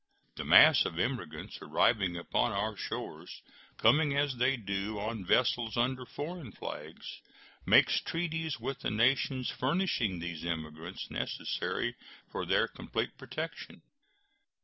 The mass of immigrants arriving upon our shores, coming, as they do, on vessels under foreign flags, makes treaties with the nations furnishing these immigrants necessary for their complete protection.